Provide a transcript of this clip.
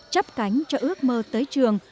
chấp cánh cho ước mơ tới trường